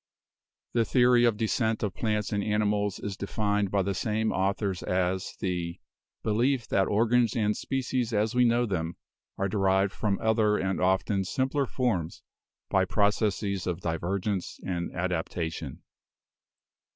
The theory of descent of plants and animals is defined by the same authors as the "belief that organs and species as we know them are derived from other and often simpler forms by processes of divergence and adaptation.